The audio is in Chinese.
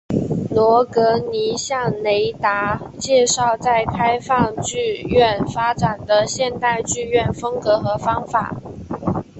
罗格尼向雷达介绍在开放剧院发展的现代剧院风格和方法。